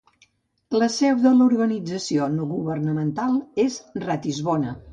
La seu de l'organització no governamental és Ratisbona.